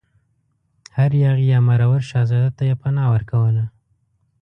هر یاغي یا مرور شهزاده ته یې پناه ورکوله.